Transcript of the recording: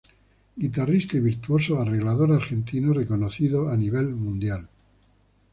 Guitarrista y virtuoso arreglador argentino reconocido a nivel mundial.